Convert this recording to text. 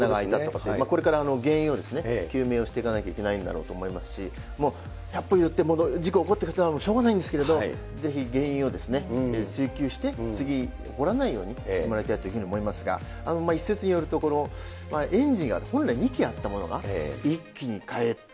それはこれから原因を究明をしていかないといけないんだろうと思いますし、ひゃっとゆずって事故起こったことはしょうがないんですけれども、ぜひ原因を追及して、次起こらないようにしてもらいたいというふうに思いますが、一説によると、エンジンが本来２個あったものが、一気に。